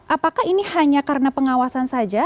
apakah ini hanya karena pengawasan saja